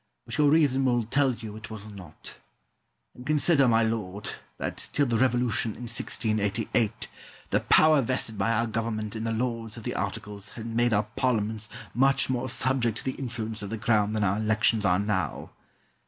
But your reason will tell you it was not. And consider, my lord, that, till the Revolution in 1688, the power vested by our Government in the Lords of the Articles had made our parliaments much more subject to the influence of the Crown than our elections are now.